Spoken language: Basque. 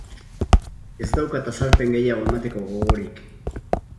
Ez daukat azalpen gehiago emateko gogorik.